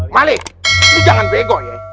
malik ini jangan bego ya